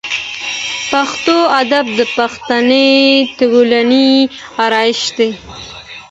پښتو ادب د پښتني ټولنې آرایش دی.